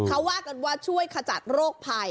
เขาว่ากันว่าช่วยขจัดโรคภัย